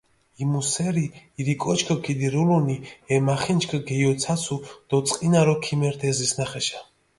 იმუ სერი ირი კოჩქჷ ქიდირულუნი, ე მახინჯქჷ გეიოცაცუ დი წყინარო ქიმერთ ე ზისჷნახეშა.